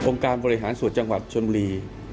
องค์การบริหารสวดจังหวัดชนบุรี